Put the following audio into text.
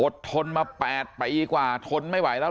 อดทนมาแปดไปอีกกว่าทนไม่ไหวแล้ว